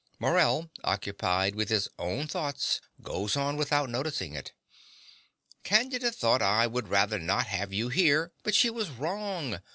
Morell, occupied with his own thought, goes on without noticing it.) Candida thought I would rather not have you here; but she was wrong.